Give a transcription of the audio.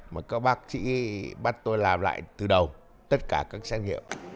mà các bác sĩ bắt tôi làm lại từ đầu tất cả các xét nghiệm